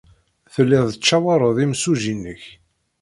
Telliḍ tettcawaṛeḍ imsujji-nnek.